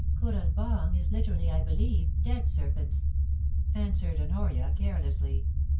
'^ Kooralbong is literally, I believe, "dead serpents,"' answered Honoria, carelessly.